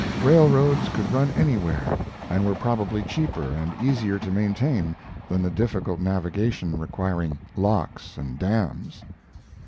Railroads could run anywhere and were probably cheaper and easier to maintain than the difficult navigation requiring locks and dams.